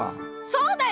そうだよ！